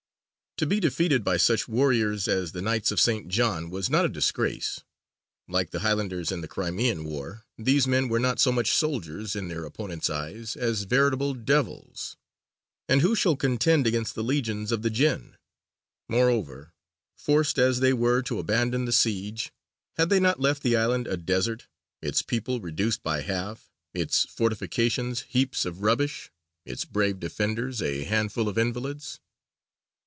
To be defeated by such warriors as the Knights of St. John was not a disgrace; like the Highlanders in the Crimean War, these men were not so much soldiers, in their opponents' eyes, as veritable devils; and who shall contend against the legions of the Jinn? Moreover, forced as they were to abandon the siege, had they not left the island a desert, its people reduced by half, its fortifications heaps of rubbish, its brave defenders a handful of invalids?